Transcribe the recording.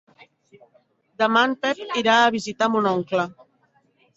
Demà en Pep irà a visitar mon oncle.